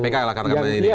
kpk lah karena ini